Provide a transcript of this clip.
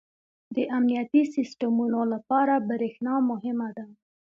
• د امنیتي سیسټمونو لپاره برېښنا مهمه ده.